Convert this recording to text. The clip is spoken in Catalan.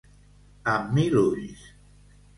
Amb mil ulls.